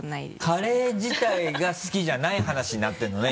カレー自体が好きじゃない話になってるのね？